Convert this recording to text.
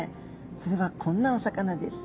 それはこんなお魚です。